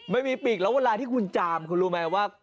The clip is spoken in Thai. ปีกแล้วเวลาที่คุณจามคุณรู้ไหมว่า